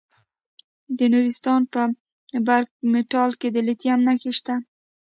د نورستان په برګ مټال کې د لیتیم نښې شته.